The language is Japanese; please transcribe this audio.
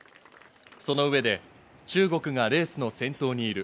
その上で、中国がレースの先頭にいる。